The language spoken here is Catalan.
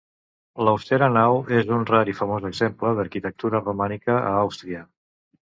L'austera nau és un rar i famós exemple d'arquitectura romànica a Àustria.